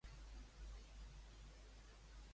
Els les va ensenyar?